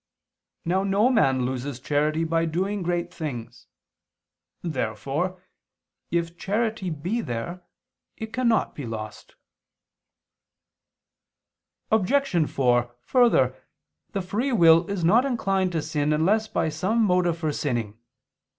Now no man loses charity by doing great things. Therefore if charity be there, it cannot be lost. Obj. 4: Further, the free will is not inclined to sin unless by some motive for sinning.